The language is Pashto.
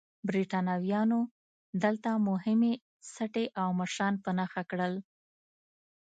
برېټانویانو دلته مهمې سټې او مشران په نښه کړل.